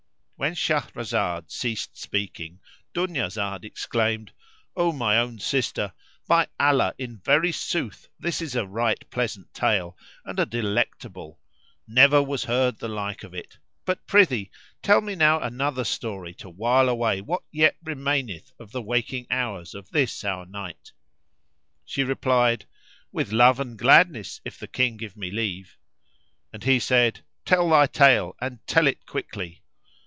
When Shahrazad ceased speaking Dunyazad exclaimed, "O my own sister, by Allah in very sooth this is a right pleasant tale and a delectable; never was heard the like of it, but prithee tell me now another story to while away what yet remaineth of the waking hours of this our night." She replied, "With love and gladness if the King give me leave;" and he said, "Tell thy tale and tell it quickly."